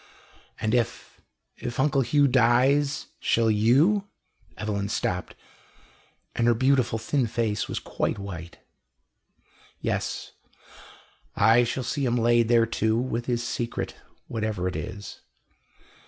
"And if if Uncle Hugh dies shall you " Evelyn stopped, and her beautiful thin face was quite white. "Yes. I shall see him laid there too with his secret, whatever it is."